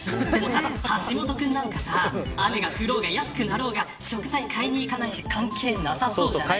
橋下君なんかさ雨が降ろうが安くなろうが食材買いに行かないし関係なさそうじゃない。